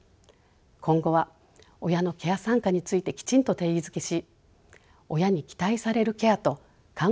今後は親のケア参加についてきちんと定義づけし親に期待されるケアと看護要員がやるべきケア